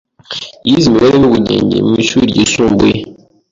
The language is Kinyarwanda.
yize imibare n’ubugenge mu ishuri ryisumbuye